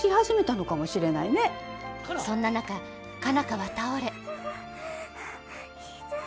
そんな中佳奈花は倒れ痛い。